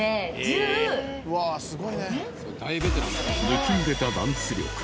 抜きんでたダンス力